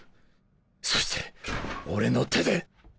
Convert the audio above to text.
そして俺の手で。